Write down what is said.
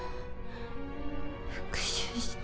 復讐して